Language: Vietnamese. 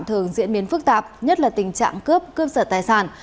thường diễn biến phức tạp nhất là tình trạng cướp cướp sở tài sản